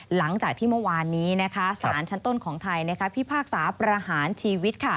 หลังจากที่เมื่อวานนี้สารชั้นต้นของไทยพิพากษาประหารชีวิต